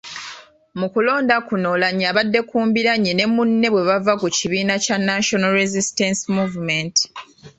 Mu kulonda kuno Oulanyah abadde ku mbiranye ne munne bwe bava ku kibiina kya National Resistance Movement.